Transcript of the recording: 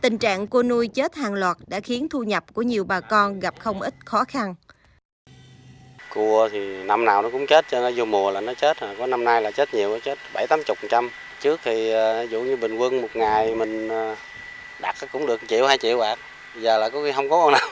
tình trạng cua nuôi chết hàng loạt đã khiến thu nhập của nhiều bà con gặp không ít khó khăn